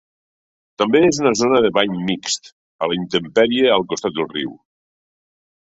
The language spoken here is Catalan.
També és una zona de bany mixt a la intempèrie al costat del riu.